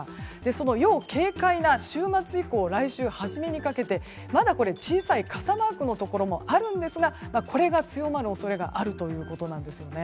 その要警戒な週末以降来週初めにかけてまだ小さい傘マークのところもあるんですがこれが強まる恐れがあるということなんです。